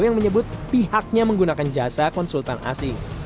yang menyebut pihaknya menggunakan jasa konsultan asing